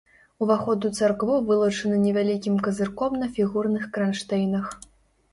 Уваход у царкву вылучаны невялікім казырком на фігурных кранштэйнах.